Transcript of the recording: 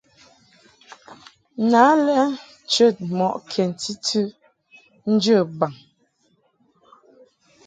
Na lɛ chəd mɔʼ kɛnti tɨ njə baŋ.